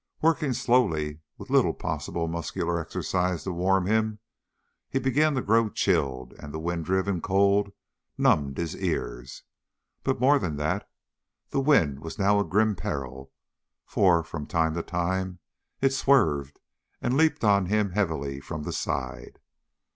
Working slowly, with little possible muscular exercise to warm him, he began to grow chilled and the wind driven cold numbed his ears. But, more than that, the wind was now a grim peril, for, from time to time, it swerved and leaped on him heavily from the side.